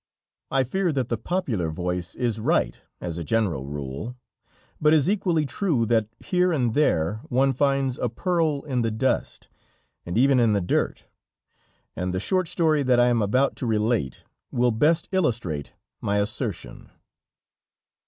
I fear that the popular voice is right as a general rule, but is equally true that here and there one finds a pearl in the dust, and even in the dirt, and the short story that I am about to relate, will best illustrate my assertion.